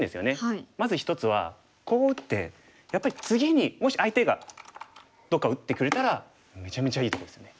まず一つはこう打ってやっぱり次にもし相手がどっか打ってくれたらめちゃめちゃいいとこですよね。